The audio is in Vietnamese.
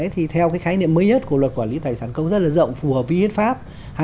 thì theo cái khái niệm mới nhất của luật quản lý tài sản công rất là rộng phù hợp với hiến pháp hai nghìn một mươi ba